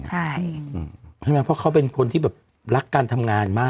ใช่ไหมเพราะเขาเป็นคนที่แบบรักการทำงานมาก